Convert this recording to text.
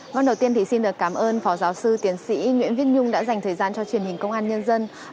vâng đầu tiên thì xin được cảm ơn phó giáo sư tiến sĩ nguyễn viết nhung đã dành thời gian cho truyền hình công an nhân dân